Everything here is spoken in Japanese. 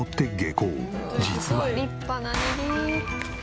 実は。